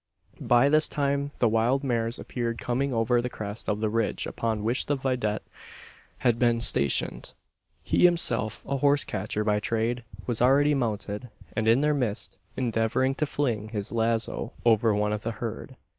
By this time the wild mares appeared coming over the crest of the ridge upon which the vidette had been stationed. He, himself a horse catcher by trade, was already mounted, and in their midst endeavouring to fling his lazo over one of the herd.